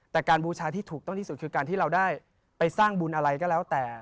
แต่การบูชาที่ถูกต้องที่สุดคือการที่เราได้ไปสร้างบุญอะไรก็แล้วแต่